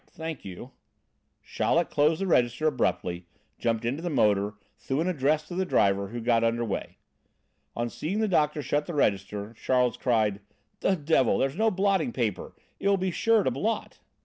Thank you." Chaleck closed the register abruptly, jumped into the motor, threw an address to the driver, who got under way. On seeing the doctor shut the register, Charles cried: "The devil there's no blotting paper in it, it will be sure to blot!"